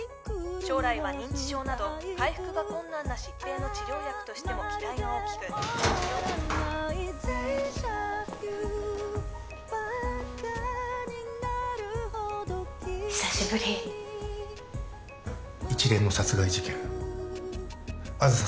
将来は認知症など回復が困難な疾病の治療薬としても期待が大きく久しぶり一連の殺害事件梓さんへの疑いはすべて晴れたようです